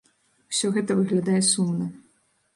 Усё гэта выглядае сумна.